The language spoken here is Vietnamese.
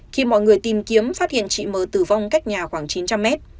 khi mọi người tìm kiếm phát hiện chị m tử vong cách nhà khoảng chín trăm linh mét